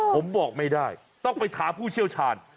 ผมบอกไม่ได้ต้องไปถามผู้เชี่ยวชาญ